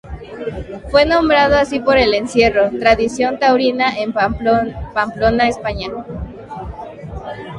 Fue nombrado así por el Encierro, tradición taurina en Pamplona, España.